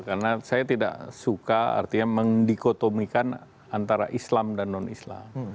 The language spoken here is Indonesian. karena saya tidak suka artinya mendikotomikan antara islam dan non islam